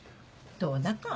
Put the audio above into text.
どうだか。